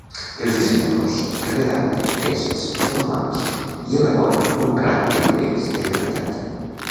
Els dissenyadors redacten tests formals i elaboren un rang de nivells de gravetat.